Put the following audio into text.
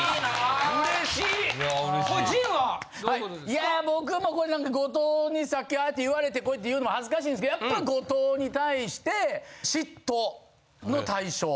いや僕後藤にさっきああやって言われてこうやって言うのも恥ずかしいんですけどやっぱ後藤に対して。の対象。